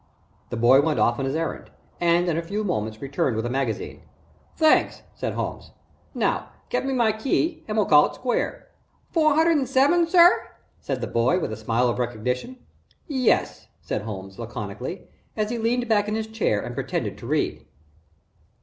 The boy went off on his errand, and in a few minutes returned with a magazine. "Thanks," said Holmes. "Now get me my key and we'll call it square." "Four hundred and seven, sir?" said the boy, with a smile of recognition. "Yep," said Holmes, laconically, as he leaned back in his chair and pretended to read.